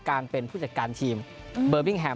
กาลเป็นผู้จัดการทีมเบิร์มเธม